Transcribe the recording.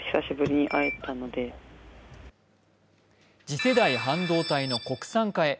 次世代半導体の国産化へ。